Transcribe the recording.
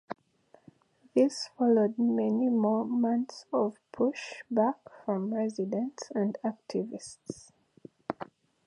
This followed many more months of push back from residents and activists.